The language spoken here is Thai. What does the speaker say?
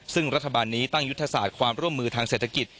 ซึ่งรัฐบาลนี้ตั้งยุทธศาสตร์ความร่วมมือทางเศรษฐกิจ